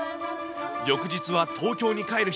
翌日は東京に帰る日。